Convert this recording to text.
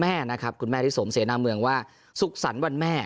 ที่สวงเสนนะคะนะครับคุณแม่ธิสมเสน้ำเมืองว่าสุขสรรค์วันแม่